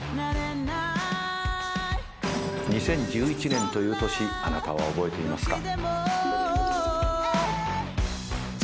２０１１年という年あなたは覚えていますか？